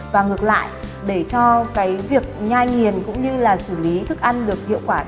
và ngược lại để cho việc nhai nghiền cũng như xử lý thức ăn được hiệu quả